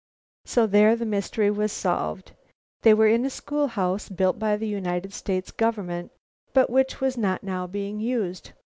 So there the mystery was solved. They were in a schoolhouse built by the United States Government, but which was not now being used.